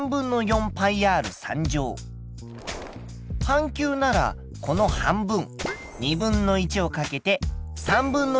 半球ならこの半分。